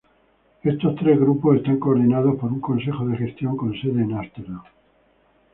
Estos tres grupos están coordinados por un consejo de gestión con sede en Ámsterdam.